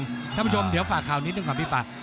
ท่านผู้ชมเดี๋ยวฝากข่าวนิดหนึ่งก่อนพี่ป่า